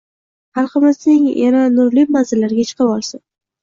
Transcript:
Xalqimizning yana nurli manzillarga chiqib olsin